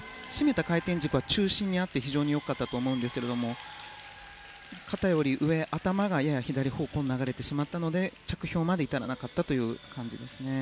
回転軸は中心にあって非常に良かったと思いますが肩より上頭がやや左方向に流れてしまったので着氷まで至らなかったという感じでしたね。